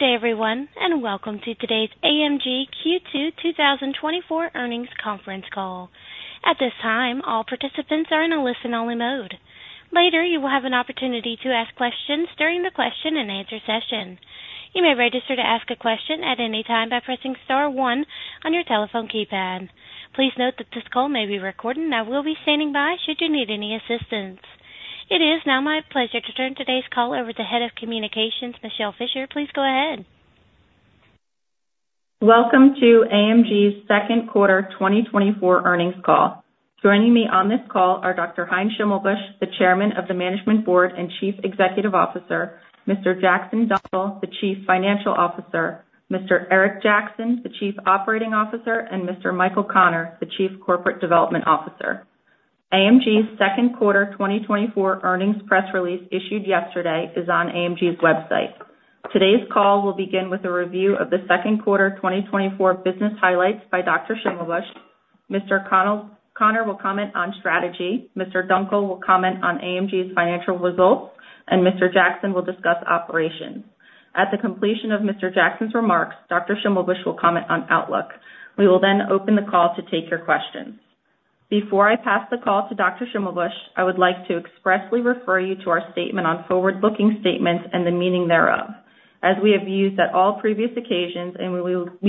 Good day, everyone, and welcome to today's AMG Q2 2024 earnings conference call. At this time, all participants are in a listen-only mode. Later, you will have an opportunity to ask questions during the question-and-answer session. You may register to ask a question at any time by pressing star one on your telephone keypad. Please note that this call may be recorded, and I will be standing by should you need any assistance. It is now my pleasure to turn today's call over to Head of Communications, Michele Fischer. Please go ahead. Welcome to AMG's second quarter 2024 earnings call. Joining me on this call are Dr. Heinz Schimmelbusch, the Chairman of the Management Board and Chief Executive Officer, Mr. Jackson Dunckel, the Chief Financial Officer, Mr. Eric Jackson, the Chief Operating Officer, and Mr. Michael Connor, the Chief Corporate Development Officer. AMG's second quarter 2024 earnings press release issued yesterday is on AMG's website. Today's call will begin with a review of the second quarter 2024 business highlights by Dr. Schimmelbusch. Mr. Connor will comment on strategy, Mr. Dunckel will comment on AMG's financial results, and Mr. Jackson will discuss operations. At the completion of Mr. Jackson's remarks, Dr. Schimmelbusch will comment on Outlook. We will then open the call to take your questions. Before I pass the call to Dr. Schimmelbusch, I would like to expressly refer you to our statement on forward-looking statements and the meaning thereof, as we have used at all previous occasions and we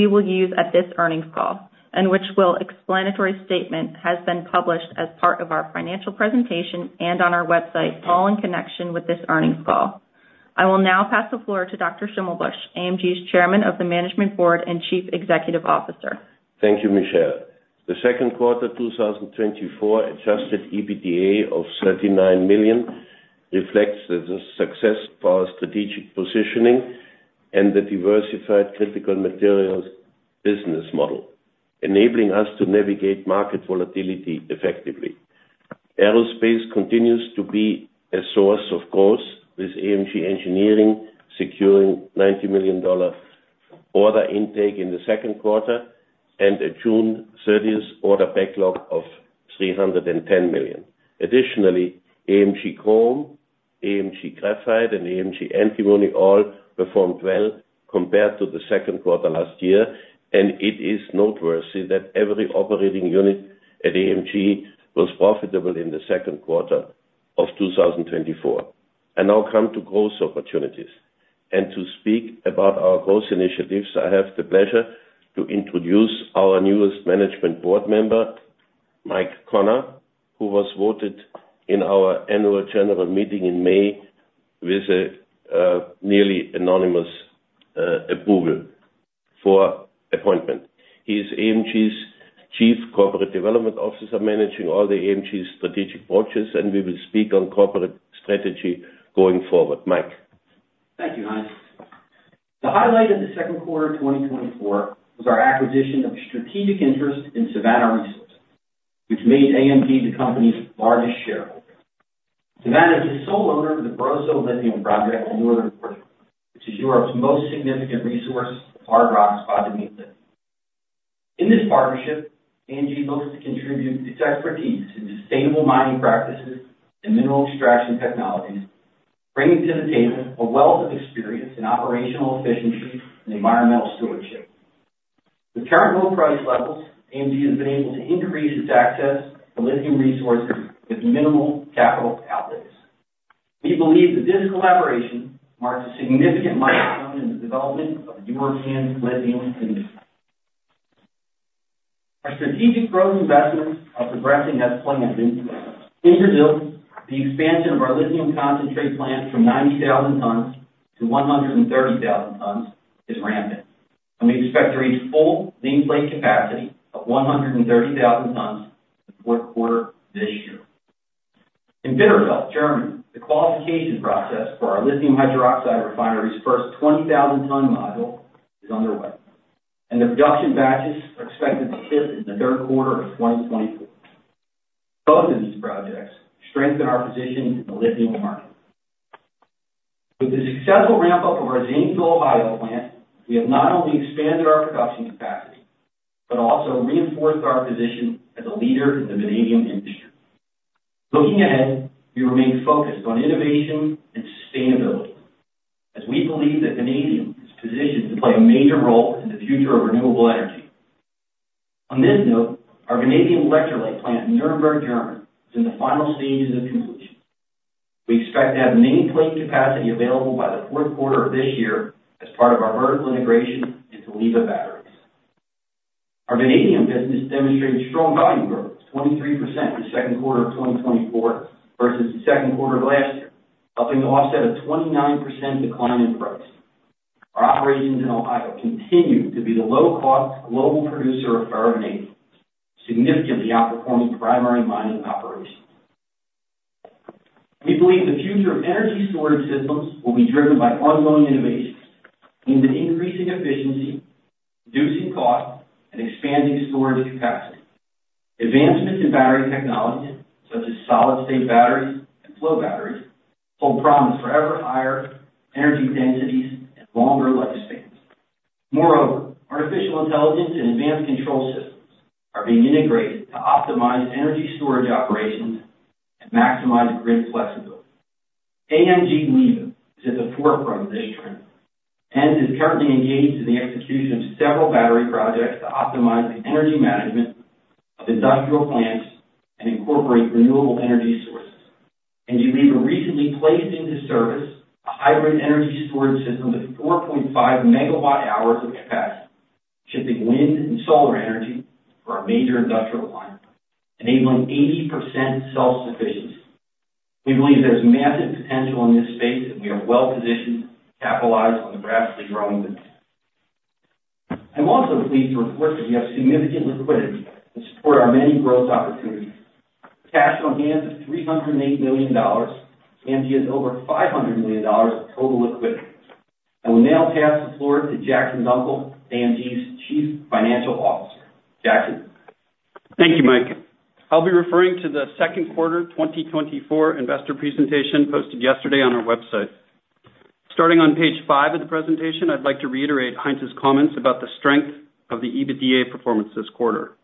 will use at this earnings call, and which will explanatory statement has been published as part of our financial presentation and on our website, all in connection with this earnings call. I will now pass the floor to Dr. Schimmelbusch, AMG's Chairman of the Management Board and Chief Executive Officer. Thank you, Michele. The second quarter 2024 Adjusted EBITDA of $39 million reflects the success of our strategic positioning and the diversified critical materials business model, enabling us to navigate market volatility effectively. Aerospace continues to be a source of growth, with AMG Engineering securing $90 million order intake in the second quarter and a June 30th order backlog of $310 million. Additionally, AMG Chrome, AMG Graphite, and AMG Antimony all performed well compared to the second quarter last year, and it is noteworthy that every operating unit at AMG was profitable in the second quarter of 2024. I now come to growth opportunities. To speak about our growth initiatives, I have the pleasure to introduce our newest Management Board member, Mike Connor, who was voted in our annual general meeting in May with a nearly unanimous approval for appointment. He is AMG's Chief Corporate Development Officer, managing all the AMG strategic branches, and we will speak on corporate strategy going forward. Mike. Thank you, Heinz. The highlight of the second quarter 2024 was our acquisition of strategic interest in Savannah Resources, which made AMG the company's largest shareholder. Savannah is the sole owner of the Barroso Lithium Project in northern Portugal, which is Europe's most significant resource of hard rock spodumene lithium. In this partnership, AMG looks to contribute its expertise in sustainable mining practices and mineral extraction technologies, bringing to the table a wealth of experience in operational efficiency and environmental stewardship. With current low price levels, AMG has been able to increase its access to lithium resources with minimal capital outlays. We believe that this collaboration marks a significant milestone in the development of the European lithium industry. Our strategic growth investments are progressing as planned. In Brazil, the expansion of our lithium concentrate plant from 90,000 tons to 130,000 tons is ramping, and we expect to reach full nameplate capacity of 130,000 tons in the fourth quarter this year. In Bitterfeld, Germany, the qualification process for our lithium hydroxide refinery's first 20,000-ton module is underway, and the production batches are expected to ship in the third quarter of 2024. Both of these projects strengthen our position in the lithium market. With the successful ramp-up of our Zanesville, Ohio plant, we have not only expanded our production capacity but also reinforced our position as a leader in the vanadium industry. Looking ahead, we remain focused on innovation and sustainability, as we believe that vanadium is positioned to play a major role in the future of renewable energy. On this note, our vanadium electrolyte plant in Nuremberg, Germany, is in the final stages of completion. We expect to have nameplate capacity available by the fourth quarter of this year as part of our vertical integration into LIVA batteries. Our vanadium business demonstrated strong volume growth, 23% in the second quarter of 2024 versus the second quarter of last year, helping offset a 29% decline in price. Our operations in Ohio continue to be the low-cost global producer of carbonate, significantly outperforming primary mining operations. We believe the future of energy storage systems will be driven by ongoing innovations aimed at increasing efficiency, reducing costs, and expanding storage capacity. Advancements in battery technology, such as solid-state batteries and flow batteries, hold promise for ever-higher energy densities and longer lifespans. Moreover, artificial intelligence and advanced control systems are being integrated to optimize energy storage operations and maximize grid flexibility. AMG LIVA is at the forefront of this trend and is currently engaged in the execution of several battery projects to optimize the energy management of industrial plants and incorporate renewable energy sources. AMG LIVA recently placed into service a hybrid energy storage system with 4.5 MWh of capacity, shifting wind and solar energy for our major industrial lines, enabling 80% self-sufficiency. We believe there is massive potential in this space, and we are well-positioned to capitalize on the rapidly growing demand. I'm also pleased to report that we have significant liquidity to support our many growth opportunities. Cash on hand is $308 million, and AMG has over $500 million of total liquidity. I will now pass the floor to Jackson Dunckel, AMG's Chief Financial Officer. Jackson. Thank you, Mike. I'll be referring to the second quarter 2024 investor presentation posted yesterday on our website. Starting on page 5 of the presentation, I'd like to reiterate Heinz's comments about the strength of the EBITDA performance this quarter.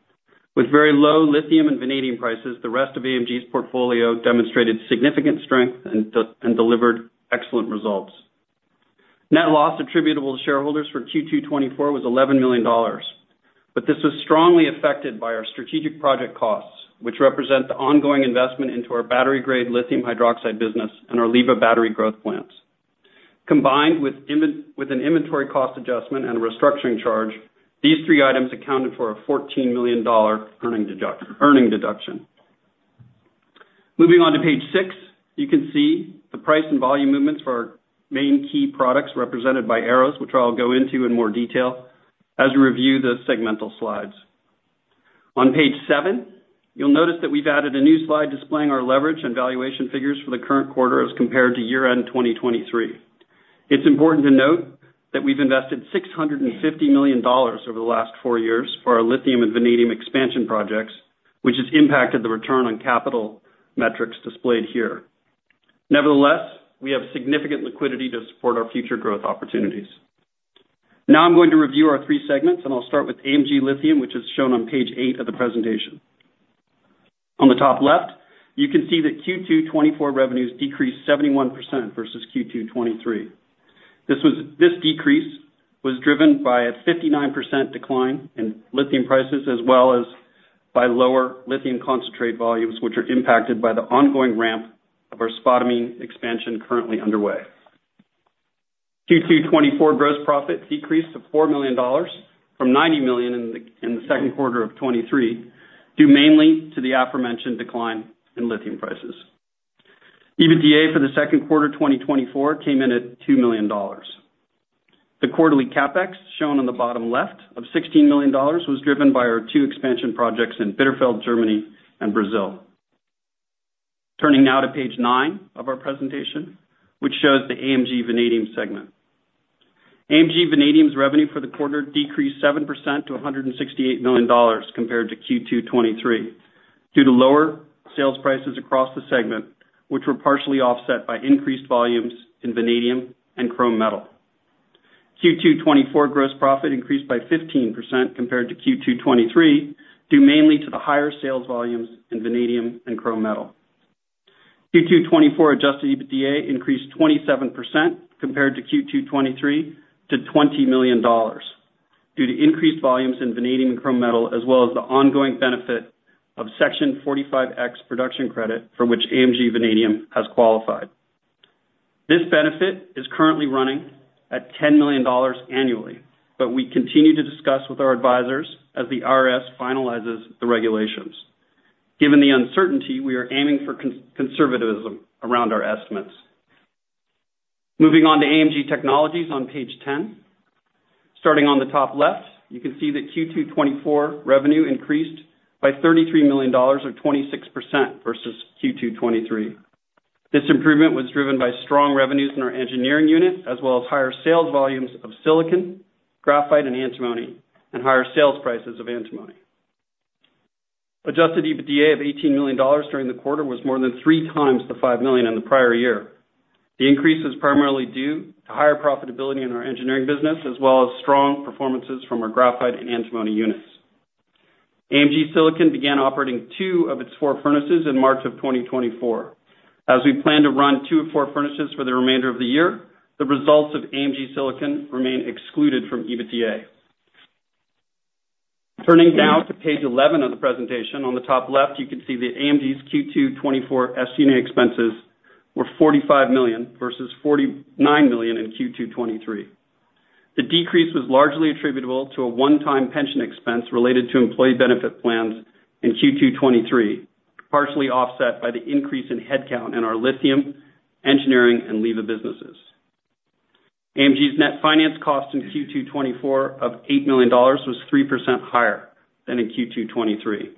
With very low lithium and vanadium prices, the rest of AMG's portfolio demonstrated significant strength and delivered excellent results. Net loss attributable to shareholders for Q2 2024 was $11 million, but this was strongly affected by our strategic project costs, which represent the ongoing investment into our battery-grade lithium hydroxide business and our LIVA battery growth plants. Combined with an inventory cost adjustment and a restructuring charge, these three items accounted for a $14 million earning deduction. Moving on to page 6, you can see the price and volume movements for our main key products represented by arrows, which I'll go into in more detail as we review the segmental slides. On page 7, you'll notice that we've added a new slide displaying our leverage and valuation figures for the current quarter as compared to year-end 2023. It's important to note that we've invested $650 million over the last 4 years for our lithium and vanadium expansion projects, which has impacted the return on capital metrics displayed here. Nevertheless, we have significant liquidity to support our future growth opportunities. Now I'm going to review our 3 segments, and I'll start with AMG Lithium, which is shown on page 8 of the presentation. On the top left, you can see that Q2 2024 revenues decreased 71% versus Q2 2023. This decrease was driven by a 59% decline in lithium prices, as well as by lower lithium concentrate volumes, which are impacted by the ongoing ramp of our spodumene expansion currently underway. Q2 2024 gross profit decreased to $4 million from $90 million in the second quarter of 2023, due mainly to the aforementioned decline in lithium prices. EBITDA for the second quarter 2024 came in at $2 million. The quarterly CapEx, shown on the bottom left of $16 million, was driven by our two expansion projects in Bitterfeld, Germany, and Brazil. Turning now to page nine of our presentation, which shows the AMG Vanadium segment. AMG Vanadium's revenue for the quarter decreased 7% to $168 million compared to Q2 2023, due to lower sales prices across the segment, which were partially offset by increased volumes in vanadium and chrome metal. Q2 2024 gross profit increased by 15% compared to Q2 2023, due mainly to the higher sales volumes in vanadium and chrome metal. Q2 2024 adjusted EBITDA increased 27% compared to Q2 2023 to $20 million, due to increased volumes in vanadium and chrome metal, as well as the ongoing benefit of Section 45X production credit for which AMG Vanadium has qualified. This benefit is currently running at $10 million annually, but we continue to discuss with our advisors as the IRS finalizes the regulations. Given the uncertainty, we are aiming for conservatism around our estimates. Moving on to AMG Technologies on page 10. Starting on the top left, you can see that Q2 2024 revenue increased by $33 million, or 26%, versus Q2 2023. This improvement was driven by strong revenues in our engineering unit, as well as higher sales volumes of silicon, graphite, and antimony, and higher sales prices of antimony. Adjusted EBITDA of $18 million during the quarter was more than three times the $5 million in the prior year. The increase is primarily due to higher profitability in our engineering business, as well as strong performances from our graphite and antimony units. AMG Silicon began operating two of its four furnaces in March of 2024. As we plan to run two of four furnaces for the remainder of the year, the results of AMG Silicon remain excluded from EBITDA. Turning now to page 11 of the presentation, on the top left, you can see that AMG's Q2 2024 SG&A expenses were $45 million versus $49 million in Q2 2023. The decrease was largely attributable to a one-time pension expense related to employee benefit plans in Q2 2023, partially offset by the increase in headcount in our lithium, engineering, and LIVA businesses. AMG's net finance cost in Q2 2024 of $8 million was 3% higher than in Q2 2023.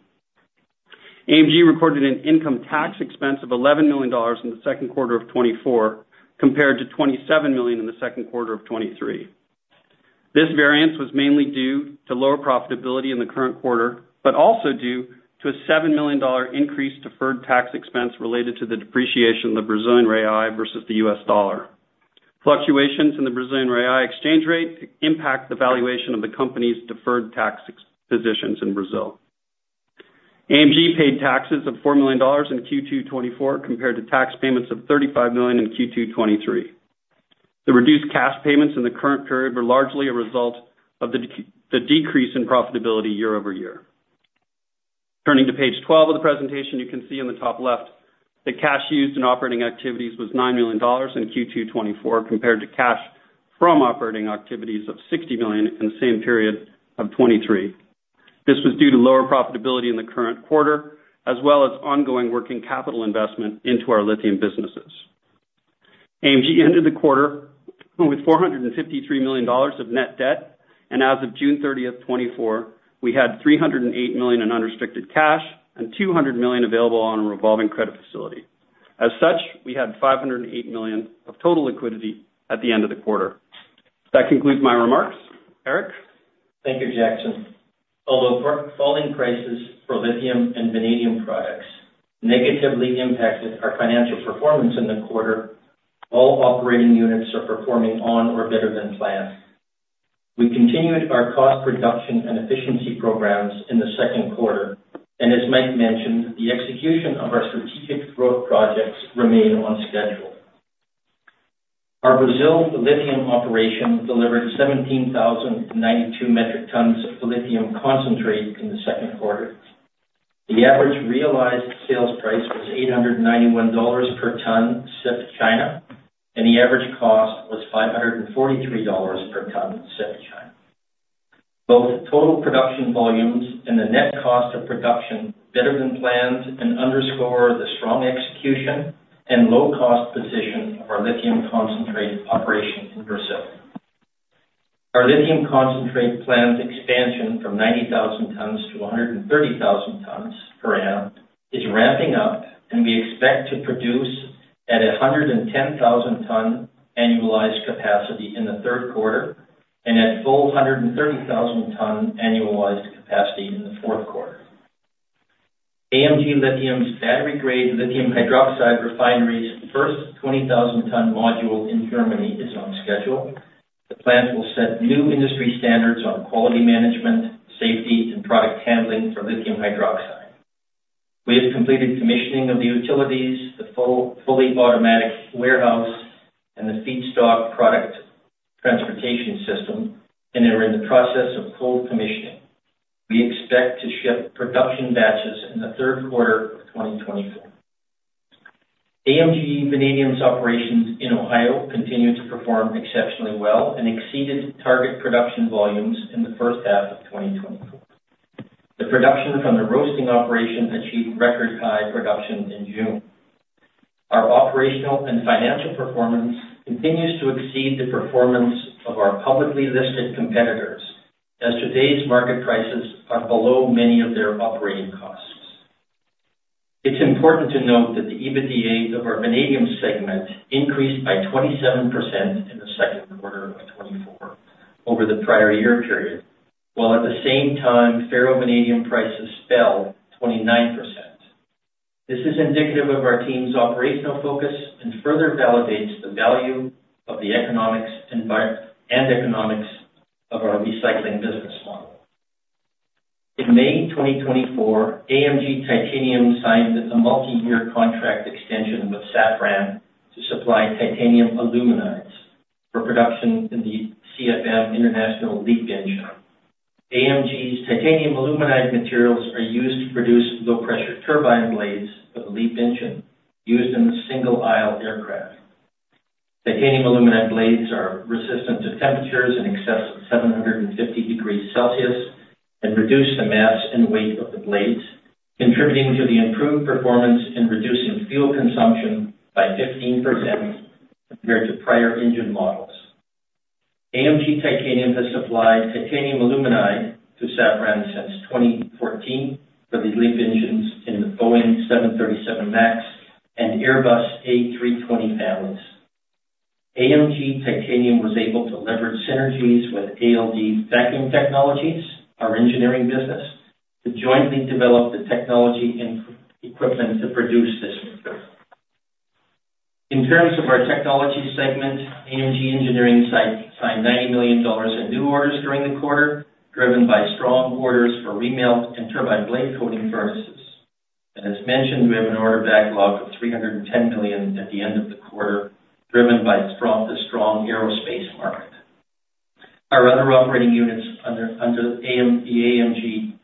AMG recorded an income tax expense of $11 million in the second quarter of 2024, compared to $27 million in the second quarter of 2023. This variance was mainly due to lower profitability in the current quarter, but also due to a $7 million increase in deferred tax expense related to the depreciation of the Brazilian real versus the US dollar. Fluctuations in the Brazilian real exchange rate impact the valuation of the company's deferred tax positions in Brazil. AMG paid taxes of $4 million in Q2 2024, compared to tax payments of $35 million in Q2 2023. The reduced cash payments in the current period were largely a result of the decrease in profitability year-over-year. Turning to page 12 of the presentation, you can see on the top left that cash used in operating activities was $9 million in Q2 2024, compared to cash from operating activities of $60 million in the same period of 2023. This was due to lower profitability in the current quarter, as well as ongoing working capital investment into our lithium businesses. AMG ended the quarter with $453 million of net debt, and as of June 30, 2024, we had $308 million in unrestricted cash and $200 million available on a revolving credit facility. As such, we had $508 million of total liquidity at the end of the quarter. That concludes my remarks. Eric? Thank you, Jackson. Although falling prices for lithium and vanadium products negatively impacted our financial performance in the quarter, all operating units are performing on or better than planned. We continued our cost reduction and efficiency programs in the second quarter, and as Mike mentioned, the execution of our strategic growth projects remained on schedule. Our Brazil lithium operation delivered 17,092 metric tons of lithium concentrate in the second quarter. The average realized sales price was $891 per ton shipped to China, and the average cost was $543 per ton shipped to China. Both total production volumes and the net cost of production better than planned underscore the strong execution and low-cost position of our lithium concentrate operation in Brazil. Our lithium concentrate plans expansion from 90,000 tons to 130,000 tons per annum is ramping up, and we expect to produce at a 110,000-ton annualized capacity in the third quarter and at full 130,000-ton annualized capacity in the fourth quarter. AMG Lithium's battery-grade lithium hydroxide refinery's first 20,000-ton module in Germany is on schedule. The plant will set new industry standards on quality management, safety, and product handling for lithium hydroxide. We have completed commissioning of the utilities, the fully automatic warehouse, and the feedstock product transportation system, and are in the process of cold commissioning. We expect to ship production batches in the third quarter of 2024. AMG Vanadium's operations in Ohio continue to perform exceptionally well and exceeded target production volumes in the first half of 2024. The production from the roasting operation achieved record-high production in June. Our operational and financial performance continues to exceed the performance of our publicly listed competitors, as today's market prices are below many of their operating costs. It's important to note that the EBITDA of our vanadium segment increased by 27% in the second quarter of 2024 over the prior year period, while at the same time, ferrovanadium prices fell 29%. This is indicative of our team's operational focus and further validates the value of the economics and economics of our recycling business model. In May 2024, AMG Titanium signed a multi-year contract extension with Safran to supply titanium aluminides for production in the CFM International LEAP engine. AMG's titanium aluminide materials are used to produce low-pressure turbine blades for the LEAP engine used in the single-aisle aircraft. Titanium aluminide blades are resistant to temperatures in excess of 750 degrees Celsius and reduce the mass and weight of the blades, contributing to the improved performance and reducing fuel consumption by 15% compared to prior engine models. AMG Titanium has supplied titanium aluminide to Safran since 2014 for the LEAP engines in the Boeing 737 MAX and Airbus A320 families. AMG Titanium was able to leverage synergies with ALD Vacuum Technologies, our engineering business, to jointly develop the technology and equipment to produce this material. In terms of our technology segment, AMG Engineering signed $90 million in new orders during the quarter, driven by strong orders for remelt and turbine blade coating furnaces. As mentioned, we have an order backlog of $310 million at the end of the quarter, driven by the strong aerospace market. Our other operating units under the AMG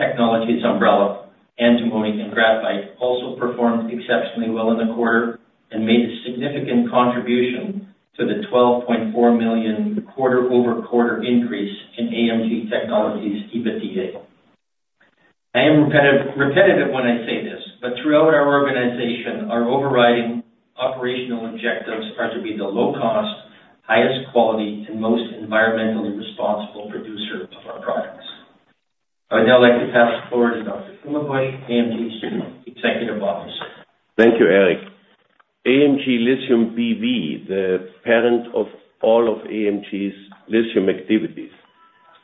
Technologies umbrella, antimony and graphite, also performed exceptionally well in the quarter and made a significant contribution to the $12.4 million quarter-over-quarter increase in AMG Technologies' EBITDA. I am repetitive when I say this, but throughout our organization, our overriding operational objectives are to be the low-cost, highest quality, and most environmentally responsible producer of our products. I would now like to pass the floor to Dr. Schimmelbusch, AMG's executive officer. Thank you, Eric. AMG Lithium BV, the parent of all of AMG's lithium activities,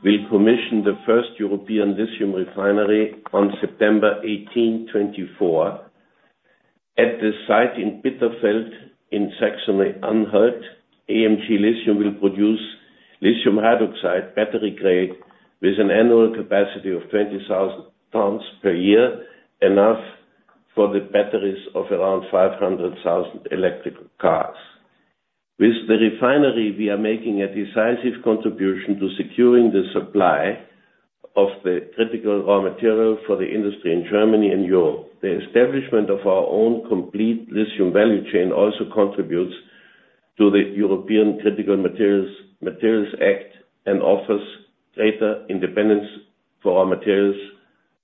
will commission the first European lithium refinery on September 18, 2024. At the site in Bitterfeld in Saxony-Anhalt, AMG Lithium will produce lithium hydroxide battery-grade with an annual capacity of 20,000 tons per year, enough for the batteries of around 500,000 electric cars. With the refinery, we are making a decisive contribution to securing the supply of the critical raw material for the industry in Germany and Europe. The establishment of our own complete lithium value chain also contributes to the European Critical Materials Act and offers greater independence for raw materials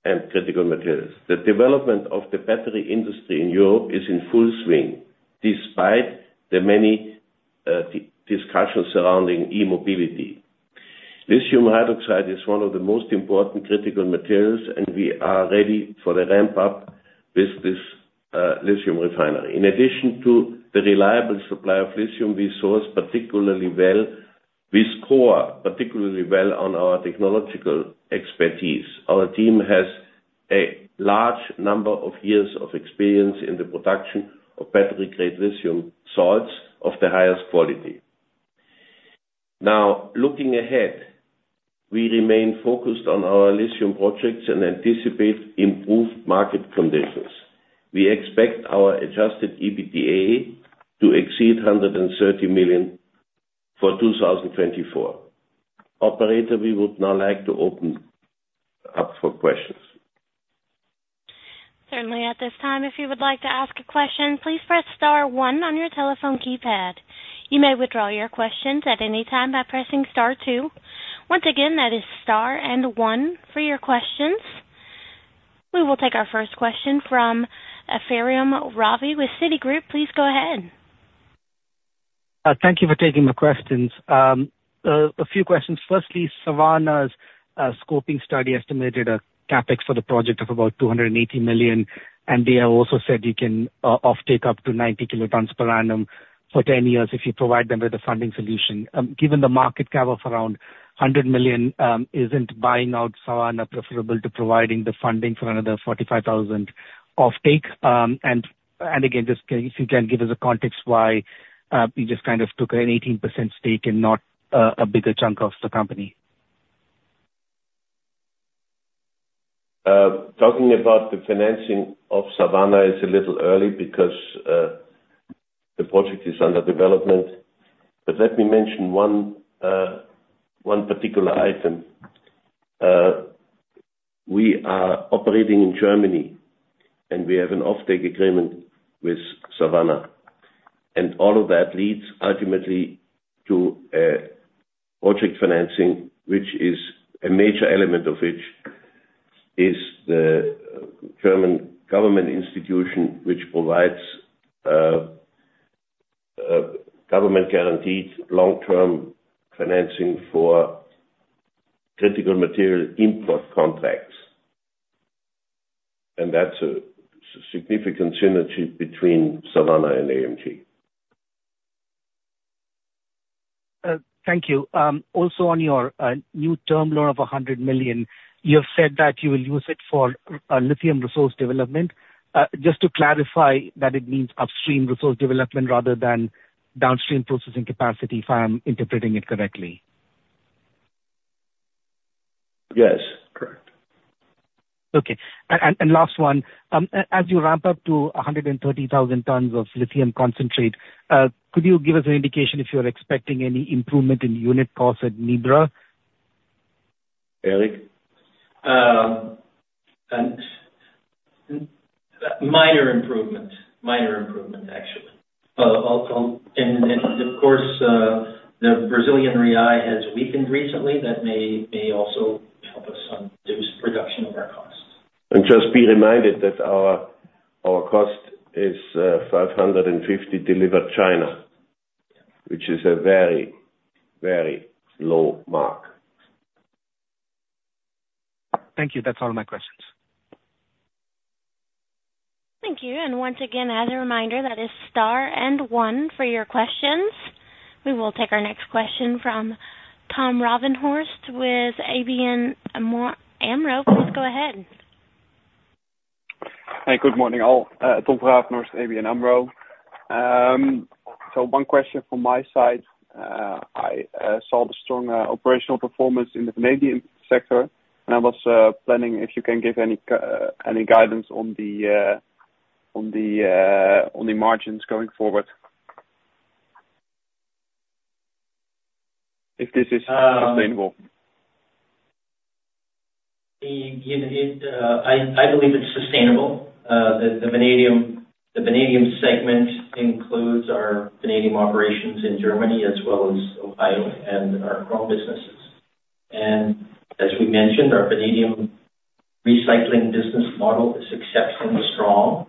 and critical materials. The development of the battery industry in Europe is in full swing, despite the many discussions surrounding e-mobility. Lithium hydroxide is one of the most important critical materials, and we are ready for the ramp-up with this lithium refinery. In addition to the reliable supply of lithium, we source particularly well. We score particularly well on our technological expertise. Our team has a large number of years of experience in the production of battery-grade lithium salts of the highest quality. Now, looking ahead, we remain focused on our lithium projects and anticipate improved market conditions. We expect our Adjusted EBITDA to exceed $130 million for 2024. Operator, we would now like to open up for questions. Certainly, at this time, if you would like to ask a question, please press Star 1 on your telephone keypad. You may withdraw your questions at any time by pressing Star 2. Once again, that is Star and 1 for your questions. We will take our first question from Ephrem Ravi with Citigroup. Please go ahead. Thank you for taking my questions. A few questions. Firstly, Savannah's scoping study estimated a CapEx for the project of about $280 million, and they have also said you can offtake up to 90 kilotons per annum for 10 years if you provide them with a funding solution. Given the market cap of around $100 million, isn't buying out Savannah preferable to providing the funding for another $45,000 offtake? And again, if you can give us a context why you just kind of took an 18% stake and not a bigger chunk of the company? Talking about the financing of Savannah is a little early because the project is under development. But let me mention one particular item. We are operating in Germany, and we have an offtake agreement with Savannah. And all of that leads ultimately to a project financing, which is a major element of which is the German government institution which provides government-guaranteed long-term financing for critical material import contracts. And that's a significant synergy between Savannah and AMG. Thank you. Also, on your new term loan of $100 million, you have said that you will use it for lithium resource development. Just to clarify, that it means upstream resource development rather than downstream processing capacity, if I'm interpreting it correctly. Yes, correct. Okay. And last one, as you ramp up to 130,000 tons of lithium concentrate, could you give us an indication if you're expecting any improvement in unit costs at Mibra? Eric. Minor improvement, minor improvement, actually. And of course, the Brazilian real has weakened recently. That may also help us on reduced production of our costs. Just be reminded that our cost is $550 delivered to China, which is a very, very low mark. Thank you. That's all my questions. Thank you. Once again, as a reminder, that is Star and 1 for your questions. We will take our next question from Martijn den Drijver with ABN AMRO. Please go ahead. Hi, good morning all. Martijn den Drijver, ABN AMRO. One question from my side. I saw the strong operational performance in the Canadian sector, and I was planning if you can give any guidance on the margins going forward if this is sustainable? I believe it's sustainable. The vanadium segment includes our vanadium operations in Germany as well as Ohio and our Chrome businesses. And as we mentioned, our vanadium recycling business model is exceptionally strong.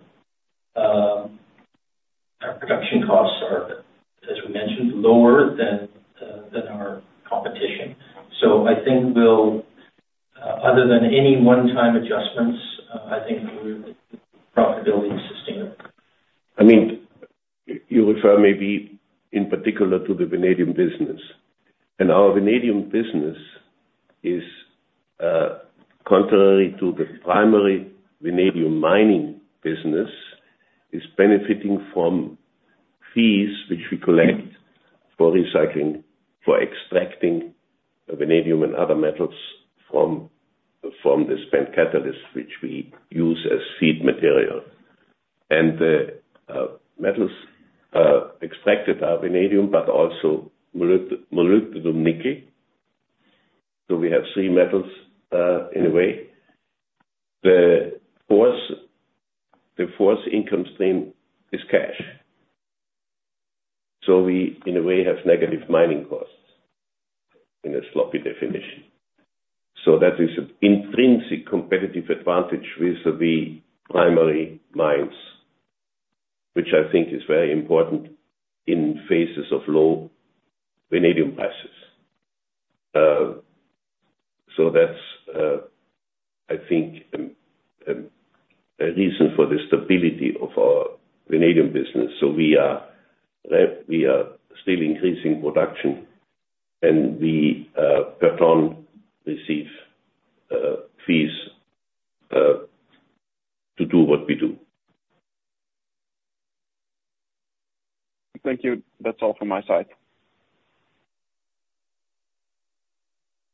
Our production costs are, as we mentioned, lower than our competition. So I think we'll, other than any one-time adjustments, I think we're profitably sustainable. I mean, you refer maybe in particular to the vanadium business. And our vanadium business is, contrary to the primary vanadium mining business, benefiting from fees which we collect for recycling, for extracting vanadium and other metals from the spent catalyst, which we use as feed material. And the metals extracted are vanadium, but also molybdenum, nickel. So we have three metals in a way. The fourth income stream is cash. So we, in a way, have negative mining costs in a sloppy definition. So that is an intrinsic competitive advantage with the primary mines, which I think is very important in phases of low vanadium prices. So that's, I think, a reason for the stability of our vanadium business. So we are still increasing production, and we per ton receive fees to do what we do. Thank you. That's all from my side.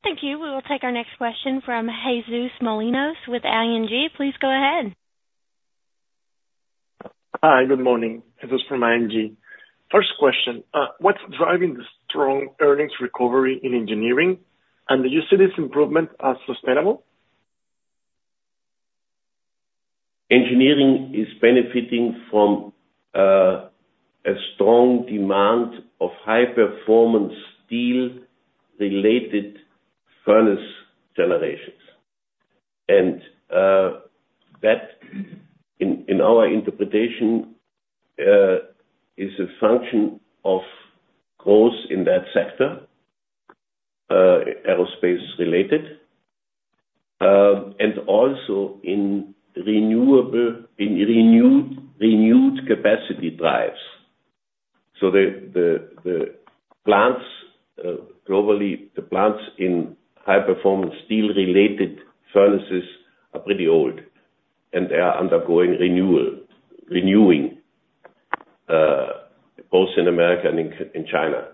Thank you. We will take our next question from Jesus Molinos with ING. Please go ahead. Hi, good morning. Jesus from ING. First question, what's driving the strong earnings recovery in engineering, and do you see this improvement as sustainable? Engineering is benefiting from a strong demand of high-performance steel-related furnace generations. That, in our interpretation, is a function of growth in that sector, aerospace-related, and also in renewed capacity drives. The plants globally, the plants in high-performance steel-related furnaces are pretty old, and they are undergoing renewing, both in America and in China.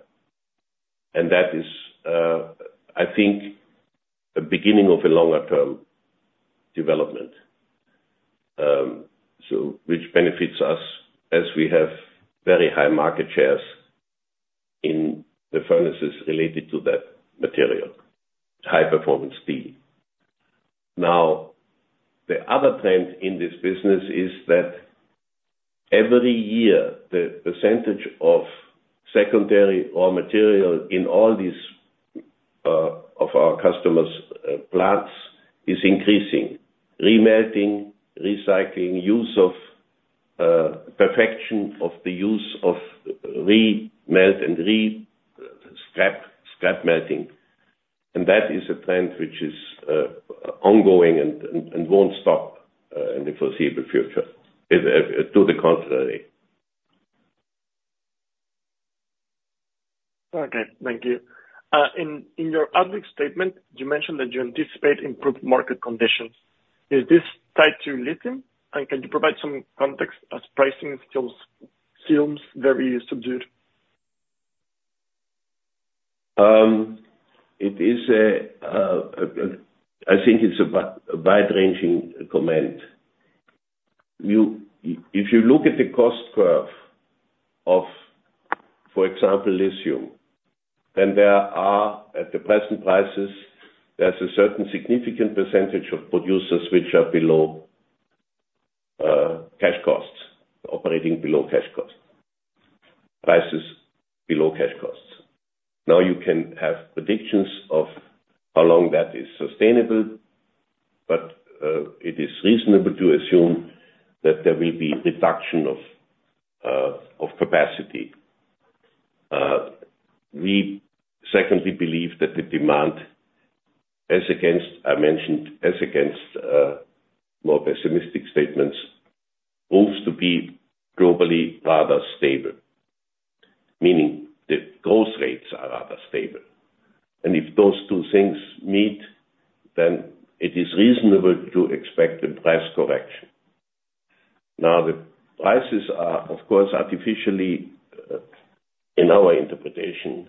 That is, I think, the beginning of a longer-term development, which benefits us as we have very high market shares in the furnaces related to that material, high-performance steel. Now, the other trend in this business is that every year, the percentage of secondary raw material in all of our customers' plants is increasing: remelting, recycling, use of perfection of the use of remelt and scrap melting. That is a trend which is ongoing and won't stop in the foreseeable future, to the contrary. Okay. Thank you. In your AMG statement, you mentioned that you anticipate improved market conditions. Is this tied to lithium? And can you provide some context as pricing is still very subdued? I think it's a wide-ranging comment. If you look at the cost curve of, for example, lithium, then there are, at the present prices, there's a certain significant percentage of producers which are below cash costs, operating below cash costs, prices below cash costs. Now, you can have predictions of how long that is sustainable, but it is reasonable to assume that there will be a reduction of capacity. We, secondly, believe that the demand, as against, I mentioned, as against more pessimistic statements, proves to be globally rather stable, meaning the growth rates are rather stable. And if those two things meet, then it is reasonable to expect a price correction. Now, the prices are, of course, artificially, in our interpretation,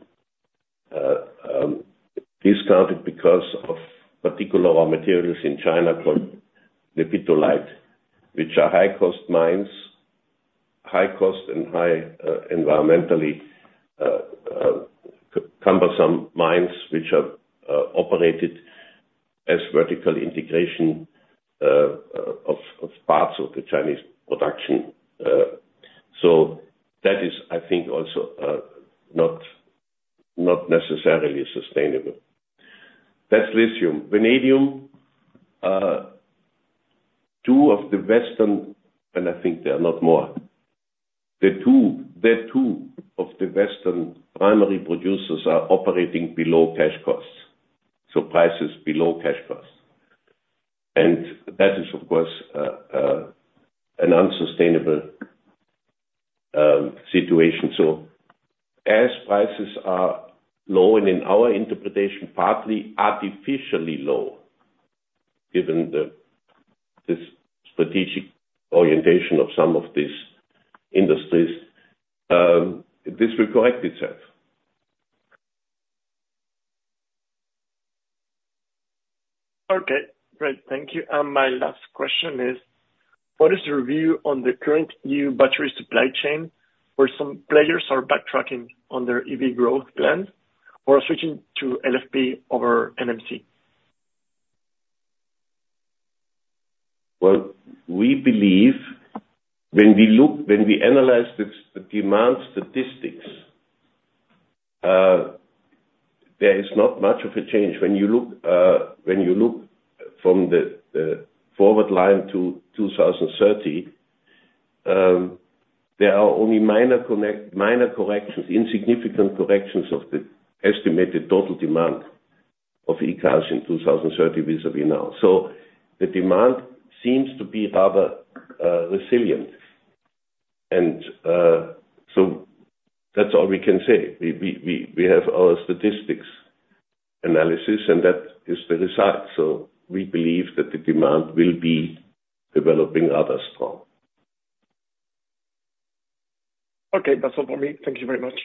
discounted because of particular raw materials in China called lepidolite, which are high-cost mines, high-cost and high environmentally cumbersome mines which are operated as vertical integration of parts of the Chinese production. So that is, I think, also not necessarily sustainable. That's lithium. Vanadium, two of the Western, and I think there are not more, the two of the Western primary producers are operating below cash costs, so prices below cash costs. And that is, of course, an unsustainable situation. So as prices are low, and in our interpretation, partly artificially low, given this strategic orientation of some of these industries, this will correct itself. Okay. Great. Thank you. My last question is, what is your view on the current new battery supply chain? Or some players are backtracking on their EV growth plan or switching to LFP over NMC? Well, we believe, when we look, when we analyze the demand statistics, there is not much of a change. When you look from the forward line to 2030, there are only minor corrections, insignificant corrections of the estimated total demand of e-cars in 2030 vis-à-vis now. So the demand seems to be rather resilient. And so that's all we can say. We have our statistics analysis, and that is the result. So we believe that the demand will be developing rather strong. Okay. That's all for me. Thank you very much.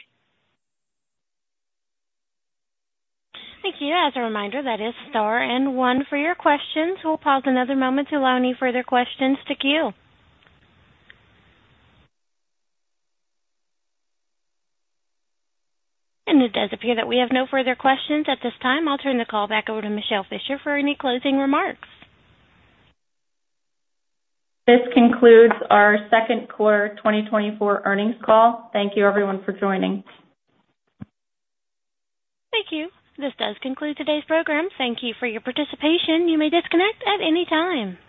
Thank you. As a reminder, that is star one for your questions. We'll pause another moment to allow any further questions to queue. It does appear that we have no further questions at this time. I'll turn the call back over to Michele Fischer for any closing remarks. This concludes our second quarter 2024 earnings call. Thank you, everyone, for joining. Thank you. This does conclude today's program. Thank you for your participation. You may disconnect at any time.